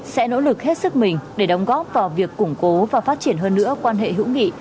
sẽ nỗ lực hết sức mình để đóng góp vào việc củng cố và phát triển hơn nữa quan hệ hữu nghị